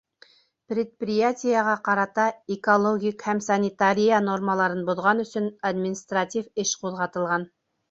Предприятиеға ҡарата экологик һәм санитария нормаларын боҙған өсөн административ эш ҡуҙғатылған.